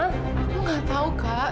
aku nggak tahu kak